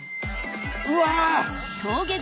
うわ！